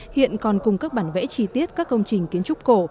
hiện còn cùng các bản vẽ chi tiết các công trình kiến trúc cổ